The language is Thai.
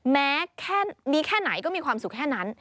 แม้แค่มีแค่ไหนก็มีความสุขแค่นั้น